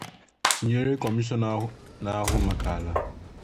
tinyere Kọmishọna na-ahụ maka ala